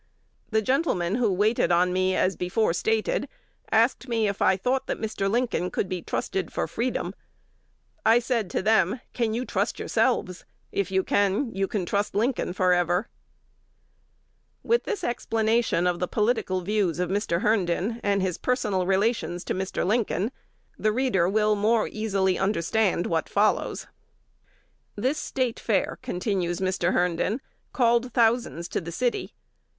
The gentlemen who waited on me as before stated asked me if I thought that Mr. Lincoln could be trusted for freedom. I said to them, 'Can you trust yourselves? If you can, you can trust Lincoln forever.'" [Illustration: John T. Stuart 392] With this explanation of the political views of Mr. Herndon, and his personal relations to Mr. Lincoln, the reader will more easily understand what follows. "This State Fair," continues Mr. Herndon, "called thousands to the city.